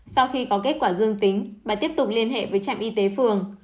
sau khi có kết quả dương tính bà tiếp tục liên hệ với trạm y tế phường